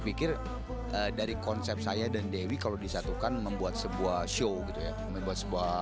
pikir dari konsep saya dan dewi kalau disatukan membuat sebuah show gitu ya membuat sebuah